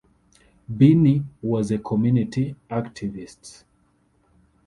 Binney was a community activist.